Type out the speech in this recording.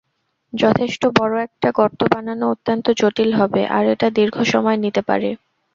যথেষ্ট বড় একটা গর্ত বানানো অত্যন্ত জটিল হবে আর এটা দীর্ঘ সময় নিতে পারে।